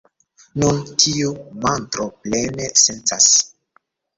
Nun, tiu mantro plene sencas.